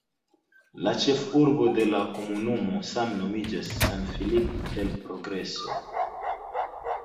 La ĉefurbo de la komunumo same nomiĝas "San Felipe del Progreso".